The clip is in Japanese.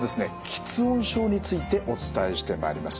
吃音症についてお伝えしてまいります。